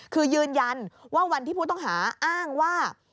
คือยืนยันว่าวันที่ผู้ต้องหาอ้างว่า